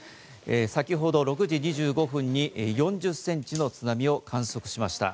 先ほど６時２５分に４０センチの津波を観測しました。